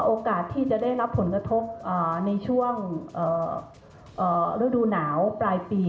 โอกาสที่จะได้รับผลกระทบในช่วงฤดูหนาวปลายปี